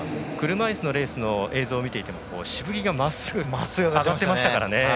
車いすのレースの映像を見ていてもしぶきがまっすぐ上がっていましたからね。